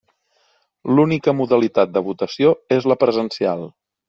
L'única modalitat de votació és la presencial.